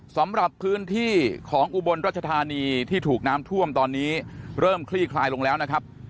สำหรับพื้นที่ของอุบลรัชธานีที่ถูกน้ำท่วมตอนนี้เริ่มคลี่คลายลงแล้วนะครับ